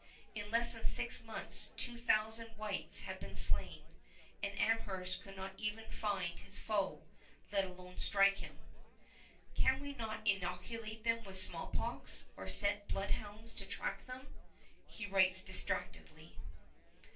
In less than six months two thousand whites had been slain; and Amherst could not even find his foe, let alone strike him. "Can we not inoculate them with smallpox, or set bloodhounds to track them?" he writes distractedly.